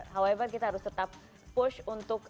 however kita harus tetap push untuk